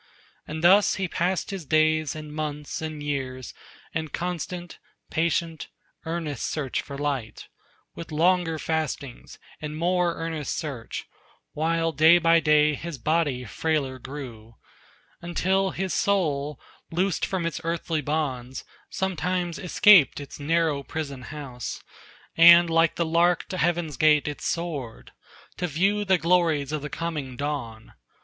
And thus he passed his days and months and years, In constant, patient, earnest search for light, With longer fastings and more earnest search, While day by day his body frailer grew, Until his soul, loosed from its earthly bonds, Sometimes escaped its narrow prison house, And like the lark to heaven's gate it soared, To view the glories of the coming dawn.